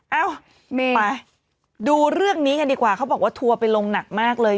เอ้าไปดูเรื่องนี้กันดีกว่าเขาบอกว่าทัวร์ไปลงหนักมากเลย